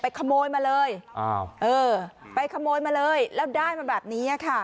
ขโมยมาเลยอ้าวเออไปขโมยมาเลยแล้วได้มาแบบนี้ค่ะ